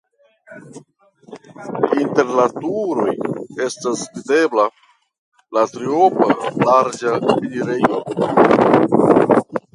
Inter la turoj estas videbla la triopa larĝa enirejo.